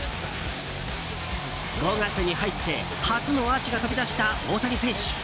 ５月に入って初のアーチが飛び出した大谷選手。